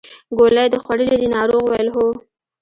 ګولۍ دې خوړلې دي ناروغ وویل هو.